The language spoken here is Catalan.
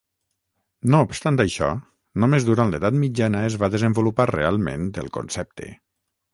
No obstant això, només durant l'edat mitjana es va desenvolupar realment el concepte.